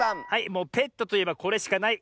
もうペットといえばこれしかない。